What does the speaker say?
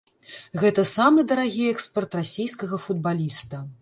Гэта самы дарагі экспарт расейскага футбаліста.